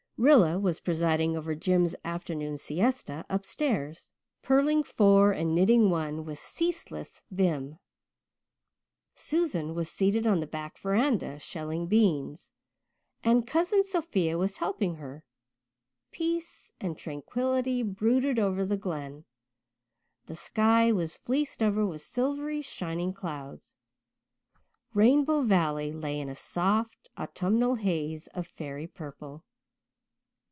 Rilla was presiding over Jims' afternoon siesta upstairs, purling four and knitting one with ceaseless vim. Susan was seated on the back veranda, shelling beans, and Cousin Sophia was helping her. Peace and tranquility brooded over the Glen; the sky was fleeced over with silvery, shining clouds. Rainbow Valley lay in a soft, autumnal haze of fairy purple.